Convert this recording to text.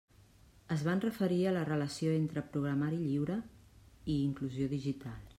Es van referir a la relació entre programari lliure i inclusió digital.